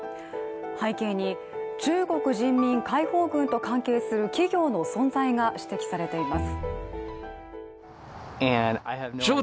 背景に中国人民解放軍と関係する企業の存在が指摘されています。